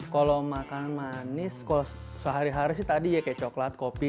kalau makan manis kalau sehari hari sih tadi ya kayak coklat kopi